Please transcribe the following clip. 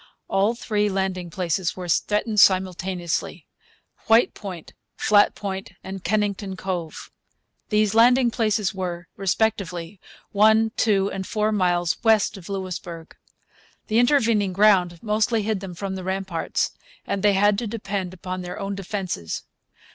All three landing places were threatened simultaneously, White Point, Flat Point, and Kennington Cove. These landing places were, respectively, one, two, and four miles west of Louisbourg. The intervening ground mostly hid them from the ramparts, and they had to depend upon their own defences.